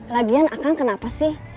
lagian akang kenapa sih